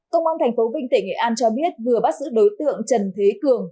công an tp vinh tỉnh nghệ an cho biết vừa bắt giữ đối tượng trần thế cường